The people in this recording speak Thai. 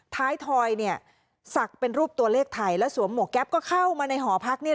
ท้ายทอยเนี้ยสักเป็นรูปตัวเลขไทยแล้วสู้หมวกแก๊ป